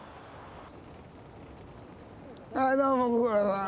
はいどうもご苦労さん。